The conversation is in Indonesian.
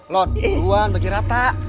lo duluan bagi rata